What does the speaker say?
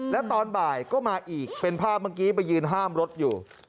แล้วตอนบ่ายก็มาอีกเป็นภาพเมื่อกี้ไปยืนห้ามรถอยู่